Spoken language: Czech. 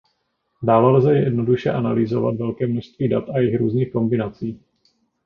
Dále lze jednoduše analyzovat velké množství dat a jejich různých kombinací.